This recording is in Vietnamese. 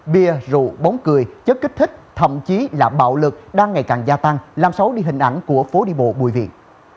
bia rượu bóng cười chất kích thích thậm chí là bạo lực đang ngày càng gia tăng làm xấu đi hình ảnh của phố đi bộ bùi viện